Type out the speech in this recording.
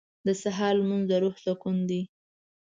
• د سهار لمونځ د روح سکون دی.